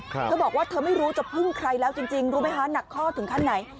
เธอบอกว่าเธอไม่รู้จะพึ่งใครแล้วจริงจริงรู้ไหมคะหนักข้อถึงขั้นไหน